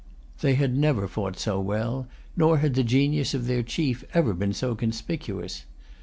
They had never fought so well; nor had the genius of their chief ever been so conspicuous.